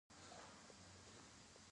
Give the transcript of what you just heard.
د پوستکي د وچوالي لپاره کوم تېل وکاروم؟